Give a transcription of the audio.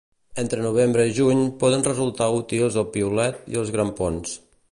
Entre novembre i juny poden resultar útils el piolet i els grampons.